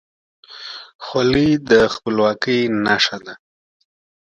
خولۍ د خپلواکۍ نښه ده.